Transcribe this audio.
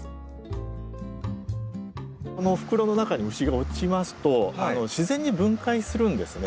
この袋の中に虫が落ちますと自然に分解するんですね。